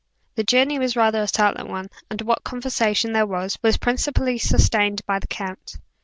The journey was rather a silent one, and what conversation there was, was principally sustained by the count.